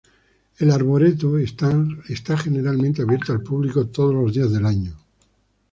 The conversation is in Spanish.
El arboreto está generalmente abierto al público todos los días del año.